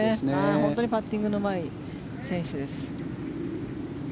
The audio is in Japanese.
本当にパッティングのうまい選手です。